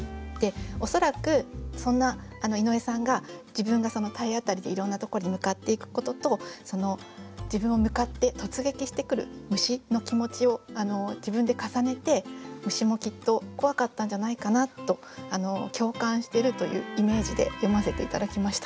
恐らくそんな井上さんが自分が体当たりでいろんなとこに向かっていくこととその自分に向かって突撃してくる虫の気持ちを自分で重ねて虫もきっと怖かったんじゃないかなと共感してるというイメージで詠ませて頂きました。